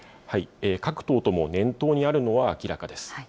各党とも念頭にあるのは、明らかです。